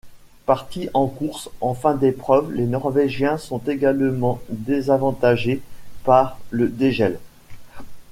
Partis en course en fin d'épreuve, les Norvégiens sont également désavantagés par le dégel.